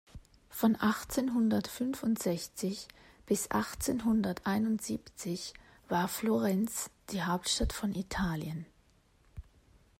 Von achtzehnhundertfünfundsechzig bis achtzehnhunderteinundsiebzig war Florenz die Hauptstadt von Italien.